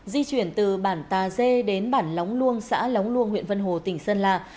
di chuyển từ bản tà dê đến bản lóng luông xã lóng luông huyện vân hồ tỉnh sơn la